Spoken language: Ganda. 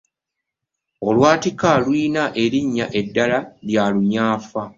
Olwatika lulina erinnya eddala, lya lunyanfa.